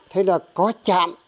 thế là có chạm